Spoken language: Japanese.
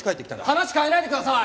話変えないでください！